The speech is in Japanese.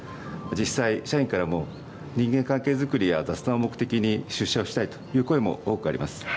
実際、社員からも、人間関係作りや雑談を目的に、出社をしたいという声も多くあります。